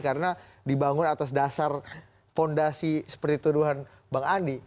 karena dibangun atas dasar fondasi seperti tuduhan bang andi